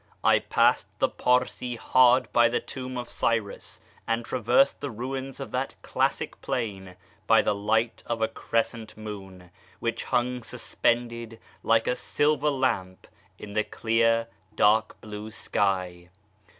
I passed the Parsee hard by the Tomb of Cyrus, and traversed the ruins of that classic plain by the light of a crescent moon, which hung suspended like a silver lamp in the clear, dark blue sky.